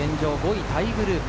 ５位タイグループ。